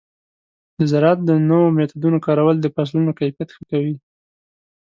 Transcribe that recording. د زراعت د نوو میتودونو کارول د فصلونو کیفیت ښه کوي.